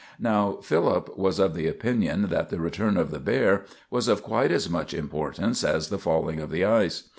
Now, Philip was of the opinion that the return of the bear was of quite as much importance as the falling of the ice.